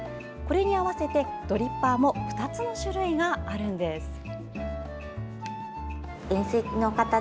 これに合わせて、ドリッパーも２つの種類があるんです。